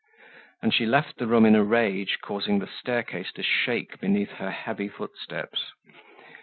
And she left the room in a rage, causing the staircase to shake beneath her heavy footsteps.